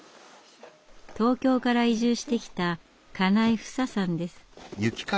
東京から移住してきた金井ふささんです。